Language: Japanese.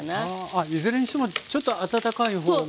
いずれにしてもちょっと温かいほうが。